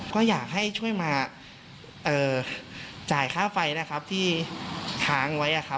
ก็อยากให้ช่วยมาจ่ายค่าไฟที่ท้างไว้